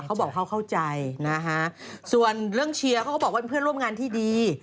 เขาบอกเขาเข้าใจนะฮะส่วนเรื่องเชียร์เขาก็บอกว่าเป็นเพื่อนร่วมงานที่ดี